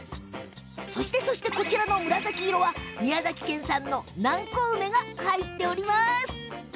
こちらの紫色は宮崎県産の南高梅が入っているんです！